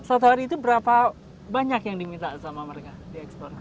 satu hari itu berapa banyak yang diminta sama mereka diekspor